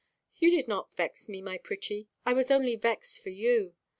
"You did not vex me, my pretty. I was only vexed for you.